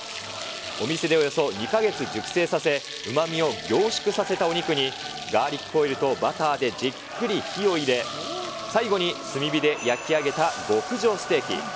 お店でおよそ２か月熟成させ、うまみを凝縮させたお肉に、ガーリックオイルとバターでじっくり火を入れ、最後に炭火で焼き上げた極上ステーキ。